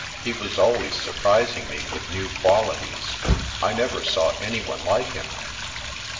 He was always surprising me with new qualities. I never saw anyone like him."